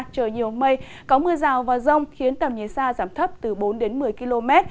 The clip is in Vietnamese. trời nhiều mây có mưa rào và rông khiến tầm nhìn xa giảm thấp từ bốn đến một mươi km